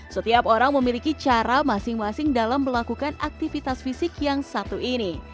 setiap orang memiliki cara masing masing dalam melakukan aktivitas fisik yang satu ini